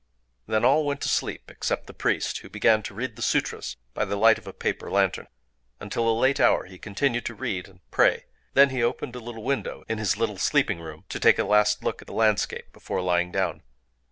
Then all went to sleep except the priest, who began to read the sûtras by the light of a paper lantern. Until a late hour he continued to read and pray: then he opened a little window in his little sleeping room, to take a last look at the landscape before lying down.